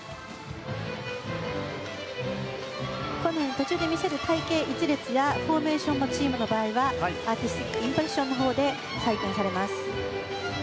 途中で見せる隊形１列やフォーメーションもアーティスティックインプレッションのほうで採点されます。